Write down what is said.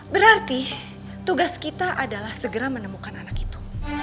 berarti tugas kita adalah segera menemukan anak itu